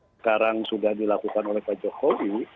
sekarang sudah dilakukan oleh pak jokowi